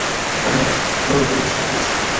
আমি উড়াউড়ি পুরোপুরি শিখে ফেলেছি!